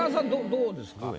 どうですか？